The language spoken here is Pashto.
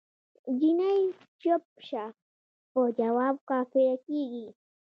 جینی چپ شه په جواب کافره کیږی